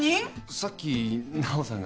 さっき奈緒さんが来て。